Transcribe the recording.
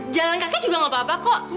jalan kaki juga gak apa apa kok